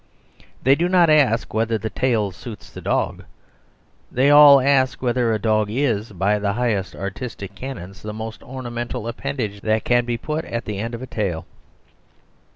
They do not ask whether the tail suits the dog. They all ask whether a dog is (by the highest artistic canons) the most ornamental appendage that can be put at the end of a tail.